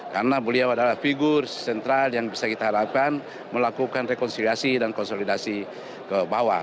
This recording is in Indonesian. karena beliau adalah figur sentral yang bisa kita harapkan melakukan rekonsiliasi dan konsolidasi ke bawah